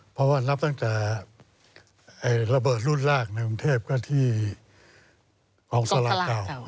เพราะว่ารับตั้งจากราเบิดรุ่นลากในวังเทพที่กรองสลาดเก่า